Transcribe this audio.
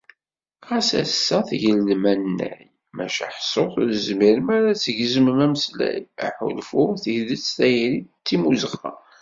Ɣas ass-a tgedlem annay, maca ḥṣut ur tezmirem ara ad tgezmem ameslay, aḥulfu, tidet, tayri d timmuzɣa.